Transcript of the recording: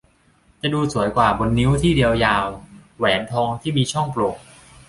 จะดูสวยกว่าบนนิ้วที่เรียวยาว แหวนทองที่มีช่องโปร่ง